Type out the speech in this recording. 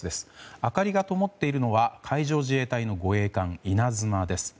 明かりが灯っているのは海上自衛隊の護衛艦「いなづま」です。